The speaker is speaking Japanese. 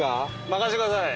任せてください！